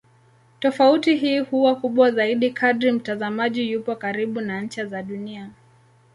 Tofauti hii huwa kubwa zaidi kadri mtazamaji yupo karibu na ncha za Dunia.